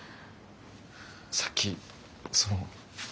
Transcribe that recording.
さっきその。